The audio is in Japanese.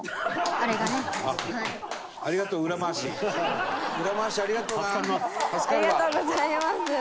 ありがとうございます。